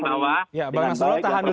butuh pemerintahan akun